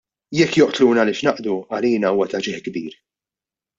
Jekk joqtluna għaliex naqdu, għalina huwa ta' ġieħ kbir!